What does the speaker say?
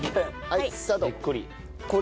はいスタート。